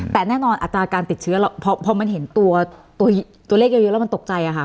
แต่แน่นอนอัตราการติดเชื้อพอมันเห็นตัวเลขเยอะแล้วมันตกใจค่ะ